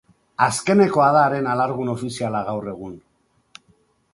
Azkenekoa da haren alargun ofiziala gaur egun.